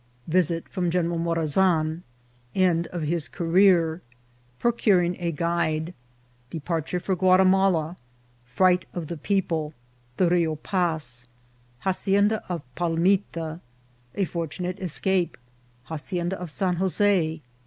Visit from General Morazan. — End of his Career. — Procuring a Guide. — Depar ture for Guatimala. — Fright of the People. — The Rio Paz. — Hacienda of Pal mita. — A fortunate Escape. — Hacienda of San Jose.